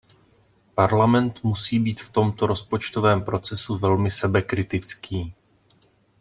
Parlament musí být v tomto rozpočtovém procesu velmi sebekritický.